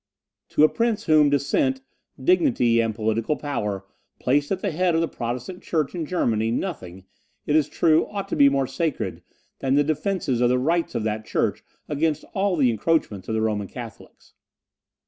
To a prince whom descent, dignity, and political power placed at the head of the Protestant church in Germany, nothing, it is true, ought to be more sacred than the defence of the rights of that church against all the encroachments of the Roman Catholics.